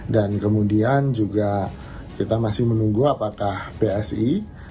dan kemudian juga kita masih menunggu apakah psi